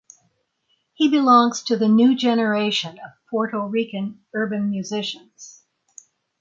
He belongs to "the new generation" of Puerto Rican urban musicians.